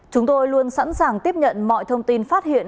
chúng tôi luôn sẵn sàng tiếp nhận mọi thông tin phát hiện